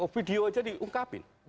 video aja diungkapin